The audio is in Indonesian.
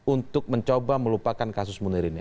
untuk mencoba melupakan kasus munir ini